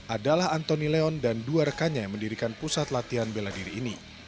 adalah antoni leon dan dua rekannya yang mendirikan pusat latihan bela diri ini